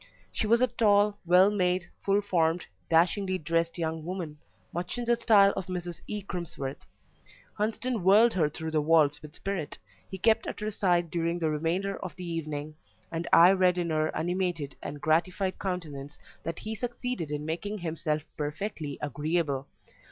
She was a tall, well made, full formed, dashingly dressed young woman, much in the style of Mrs. E. Crimsworth; Hunsden whirled her through the waltz with spirit; he kept at her side during the remainder of the evening, and I read in her animated and gratified countenance that he succeeded in making himself perfectly agreeable.